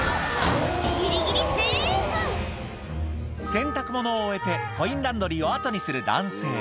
洗濯物を終えてコインランドリーを後にする男性